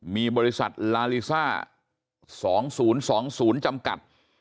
มีบริษัทลาลิซ่า๒๐๒๐จำกัด